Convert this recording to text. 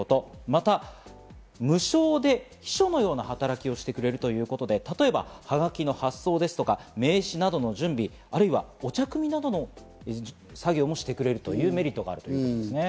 また無償で秘書のような働きをしてくれるということで、例えば、はがきの発送ですとか、名刺などの準備、あるいはお茶くみなどの作業もしてくれるというメリットがあるということですね。